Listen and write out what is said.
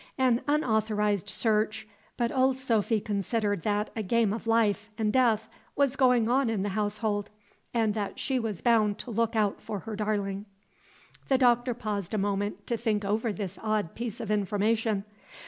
An unauthorized search; but old Sophy considered that a game of life and death was going on in the household, and that she was bound to look out for her darling. The Doctor paused a moment to think over this odd piece of information.